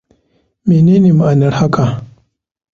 Menene ma'anar haka?